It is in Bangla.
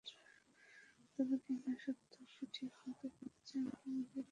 তবে কিনা সত্যকে ঠিকমতো করে জানার দরুন আমাদের একটা লাভ আছে।